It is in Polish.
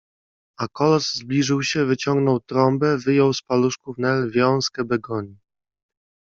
A kolos zbliżył się, wyciągnął trąbę, wyjął z paluszków Nel wiązkę begonii.